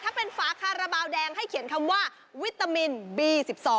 ถ้าเป็นฝาคาราบาลแดงให้เขียนคำว่าวิตามินบี๑๒